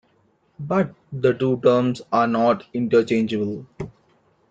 But the two terms are not interchangeable.